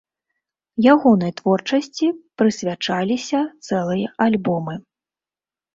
Ягонай творчасці прысвячаліся цэлыя альбомы.